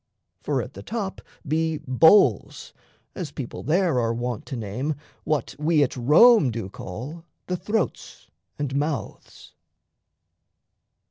For at the top be "bowls," as people there Are wont to name what we at Rome do call The throats and mouths.